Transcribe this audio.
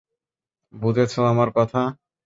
বুঝেছ আমার কথা?